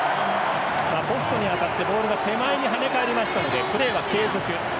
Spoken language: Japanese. ポストに当たってボールが手前に跳ね返ったのでプレーは継続。